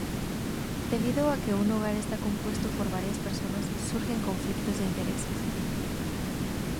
Debido a que un hogar está compuesto por varias personas, surgen conflictos de intereses.